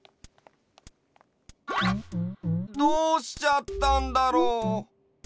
どうしちゃったんだろう？